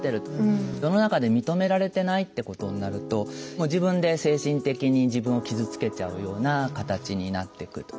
世の中で認められてないってことになると自分で精神的に自分を傷つけちゃうような形になっていく。